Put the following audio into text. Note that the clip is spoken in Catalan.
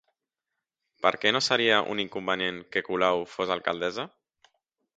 Per què no seria un inconvenient que Colau fos alcaldessa?